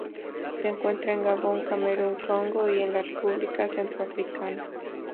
Se encuentra en Gabón, Camerún, Congo y en la República Centroafricana.